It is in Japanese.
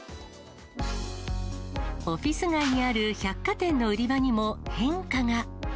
オフィス街にある百貨店の売り場にも変化が。